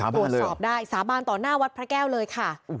ตรวจสอบได้สาบานต่อหน้าวัดพระแก้วเลยค่ะ